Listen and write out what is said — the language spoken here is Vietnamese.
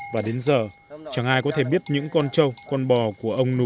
và đến giờ chẳng ai có thể biết những con trâu con bò của ông nú